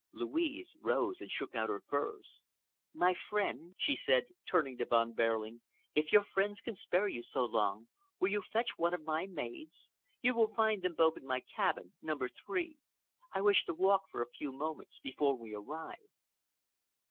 Louise rose and shook out her furs. "My friend," she said, turning to Von Behrling, "if your friends can spare you so long, will you fetch one of my maids? You will find them both in my cabin, number three. I wish to walk for a few moments before we arrive."